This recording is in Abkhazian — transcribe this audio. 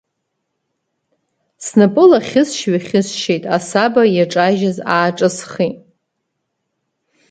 Снапы лахьысшь-ҩахьысшьит, асаба иаҿажьыз ааҿысхит.